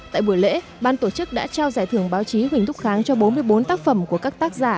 tại buổi lễ ban tổ chức đã trao giải thưởng báo chí huỳnh thúc kháng cho bốn mươi bốn tác phẩm của các tác giả